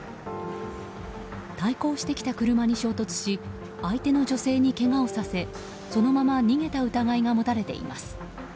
対向してきた車に衝突し相手の女性にけがをさせそのまま逃げた疑いが持たれています。